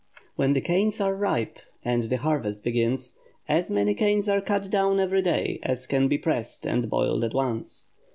When the canes are ripe, and the harvest begins, as many canes are cut down every day as can be pressed and boiled at once.